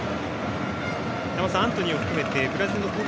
山本さん、アントニーを含めてブラジルの攻撃